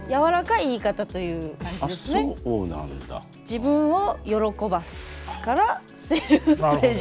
自分を喜ばすからセルフプレジャー。